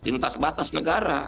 lintas batas negara